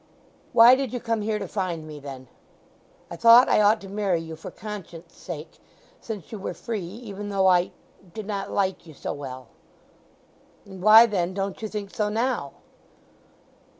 "Why did you come here to find me, then?" "I thought I ought to marry you for conscience' sake, since you were free, even though I—did not like you so well." "And why then don't you think so now?"